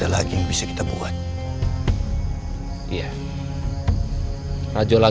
apa yang dikatakan